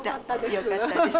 よかったです。